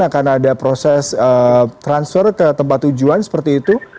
akan ada proses transfer ke tempat tujuan seperti itu